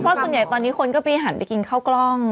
เพราะส่วนใหญ่ตอนนี้คนก็ไปหันไปกินข้าวกล้อง